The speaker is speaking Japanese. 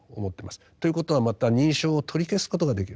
ということはまた認証を取り消すことができる。